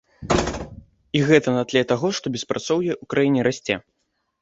І гэта на тле таго, што беспрацоўе ў краіне расце.